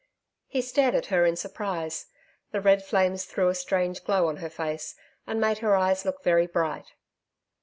He stared at her in surprise. The red flames threw a strange glow on her face, and made her eyes look very bright.